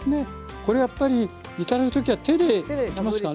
これやっぱり頂く時は手でいきますかね？